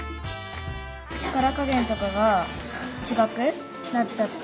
力加減とかがちがくなっちゃって。